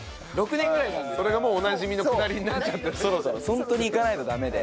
本当に行かないとダメで。